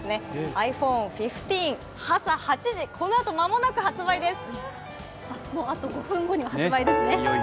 ｉＰｈｏｎｅ１５、朝８時、このあと間もなく発売です。